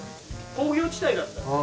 工業地帯だったんです。